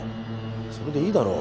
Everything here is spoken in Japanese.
それでいいだろ